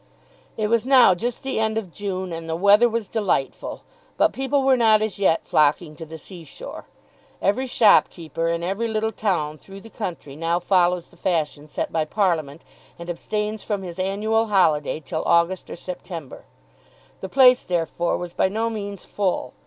It was now just the end of June, and the weather was delightful; but people were not as yet flocking to the sea shore. Every shopkeeper in every little town through the country now follows the fashion set by Parliament and abstains from his annual holiday till August or September. The place therefore was by no means full.